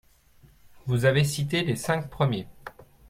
Vous avez cité les cinq premiers